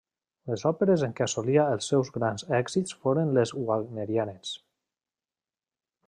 Les òperes en què assolia els seus grans èxits foren les wagnerianes.